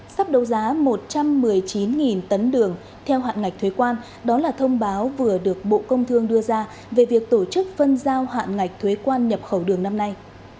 sắp đấu giá một trăm một mươi chín tấn đường theo hạn ngạch thuế quan đó là thông báo vừa được bộ công thương đưa ra về việc tổ chức phân giao hạn ngạch thuế quan nhập khẩu đường năm nay